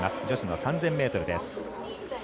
女子の３０００ｍです。